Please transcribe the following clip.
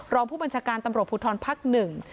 รองผู้บัญชาการตำรวจภูทรภักดิ์หนึ่ง